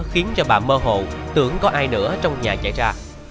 khiến cho bà mơ hồ tưởng có ai nữa trong nhà chạy ra